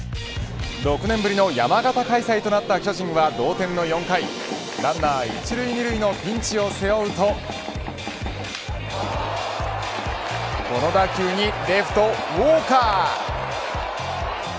６年ぶりの山形開催となった巨人は同点の４回ランナー１塁２塁のピンチを背負うとこの打球にレフト、ウォーカー。